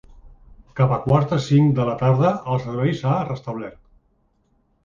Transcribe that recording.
Cap a quarts de cinc de la tarda, el servei s’ha restablert.